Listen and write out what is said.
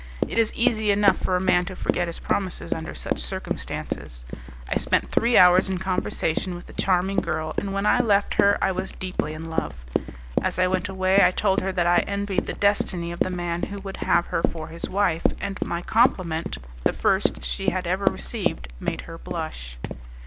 It is easy enough for a man to forget his promises under such circumstances. I spent three hours in conversation with the charming girl and when I left her I was deeply in love. As I went away, I told her that I envied the destiny of the man who would have her for his wife, and my compliment, the first she had ever received, made her blush.